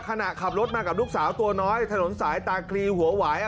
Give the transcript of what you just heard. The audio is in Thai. ขณะขับรถมากับลูกสาวตัวน้อยถนนสายตาคลีหัวหวาย